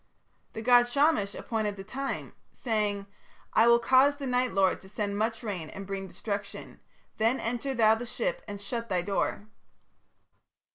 "The god Shamash appointed the time, saying: 'I will cause the Night Lord to send much rain and bring destruction. Then enter thou the ship and shut thy door.'